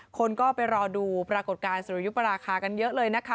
คนก็ไปรอดูปรากฏการณ์สุริยุปราคากันเยอะเลยนะคะ